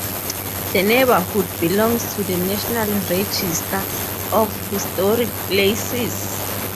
The neighborhood belongs to the National Register of Historic Places.